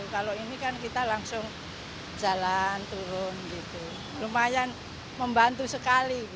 kalau ini kan kita langsung jalan turun lumayan membantu sekali